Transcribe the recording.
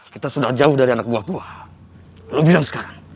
kita sebaiknya bicara disana aja ya bos